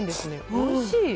おいしい。